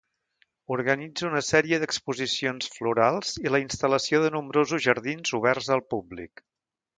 Organitza una sèrie d'exposicions florals i la instal·lació de nombrosos jardins oberts al públic.